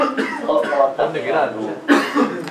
ทดลองจับเวลาดู